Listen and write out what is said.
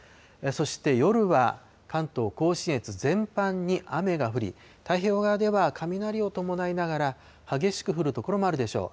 そして夜は関東甲信越全般に雨が降り、太平洋側では雷を伴いながら、激しく降る所もあるでしょう。